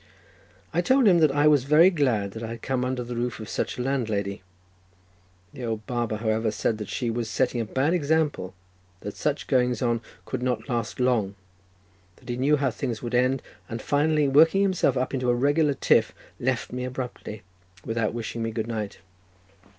I told him that I was very glad that I had come under the roof of such a landlady; the old barber, however, said that she was setting a bad example, that such goings on could not last long, that he knew how things would end, and finally working himself up into a regular tiff, left me abruptly without wishing me good night.